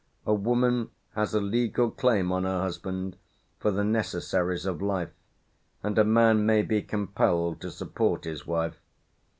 A woman has a legal claim on her husband for the necessaries of life, and a man may be compelled to support his wife.